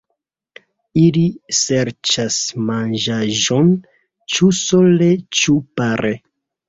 Ili serĉas manĝaĵon ĉu sole ĉu pare.